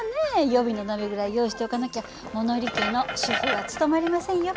予備の鍋ぐらい用意しておかなきゃ物理家の主婦は務まりませんよ。